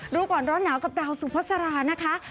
รู้ก่อนร้อนหนาวกับดาวสุภาษานะคะ